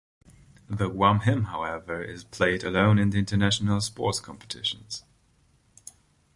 The Guam Hymn, however, is played alone at international sports competitions.